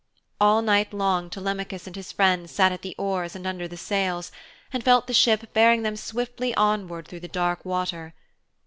All night long Telemachus and his friends sat at the oars and under the sails, and felt the ship bearing them swiftly onward through the dark water.